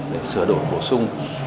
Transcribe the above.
để sửa đổi bổ sung